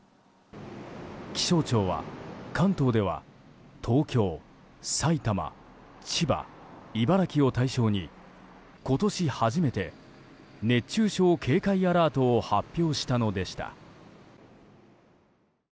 気象庁は、関東では東京、埼玉、千葉、茨城を対象に今年初めて熱中症警戒アラートを発表したのでした。